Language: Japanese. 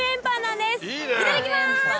いただきます！